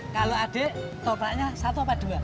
kalau adik topraknya satu atau dua